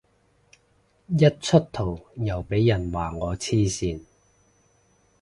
一出圖又俾人話我黐線